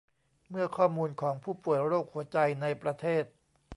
เมื่อข้อมูลของผู้ป่วยโรคหัวใจในประเทศ